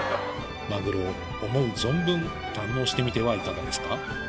マグロを思う存分堪能してみてはいかがですか？